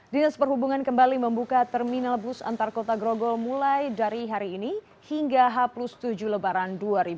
dinas perhubungan kembali membuka terminal bus antar kota grogol mulai dari hari ini hingga h tujuh lebaran dua ribu dua puluh